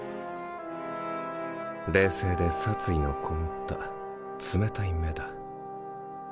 冷静で殺意のこもった冷たい目だ。